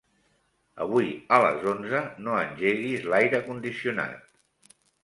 Avui a les onze no engeguis l'aire condicionat.